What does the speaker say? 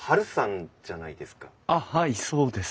あっはいそうです。